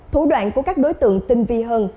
thủ đoạn của các đối tượng tinh vi hơn